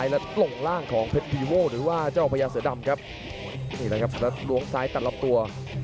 หรือว่าเจ้าพ่ยาเสือดำครับนี่แหละครับแล้วล้วงซ้ายตัดลับตัว